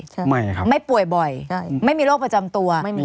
ใช่ไม่ครับไม่ป่วยบ่อยไม่มีโรคประจำตัว